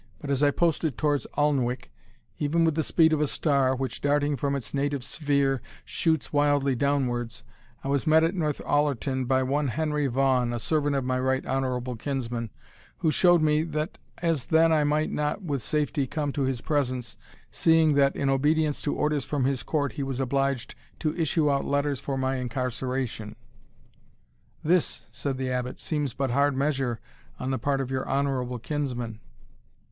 But as I posted towards Alnwick, even with the speed of a star, which, darting from its native sphere, shoots wildly downwards, I was met at Northallerton by one Henry Vaughan, a servant of my right honourable kinsman, who showed me, that as then I might not with safety come to his presence, seeing that, in obedience to orders from his court, he was obliged to issue out letters for my incarceration." "This," said the Abbot, "seems but hard measure on the part of your honourable kinsman."